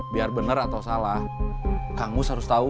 biar bener atau salah kang mus harus tau